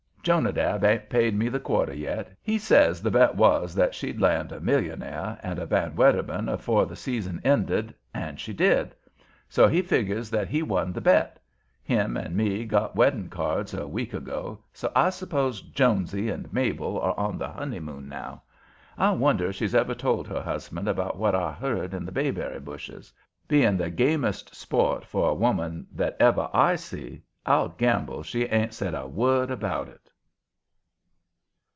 Jonadab ain't paid me the quarter yet. He says the bet was that she'd land a millionaire, and a Van Wedderburn, afore the season ended, and she did; so he figgers that he won the bet. Him and me got wedding cards a week ago, so I suppose "Jonesy" and Mabel are on their honeymoon now. I wonder if she's ever told her husband about what I heard in the bayberry bushes. Being the gamest sport, for a woman, that ever I see, I'll gamble she ain't said a word about it.